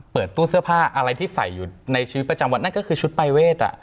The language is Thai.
เปิดตู้เสื้อผ้าอะไรที่ใส่อยู่ในชีวิตประจำวันนั่นก็คือชุดปรายเวท